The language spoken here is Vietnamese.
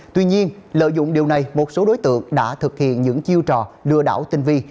tuy nhiên lợi dụng điều này một số đối tượng đã thực hiện những chiêu trò lừa đảo tinh vi